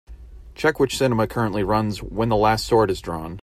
Check which cinema currently runs When the Last Sword is Drawn.